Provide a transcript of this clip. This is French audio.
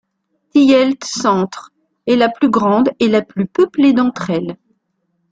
Tielt-centre est la plus grande et la plus peuplée d'entre elles.